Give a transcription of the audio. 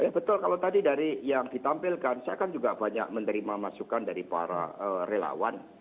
ya betul kalau tadi dari yang ditampilkan saya kan juga banyak menerima masukan dari para relawan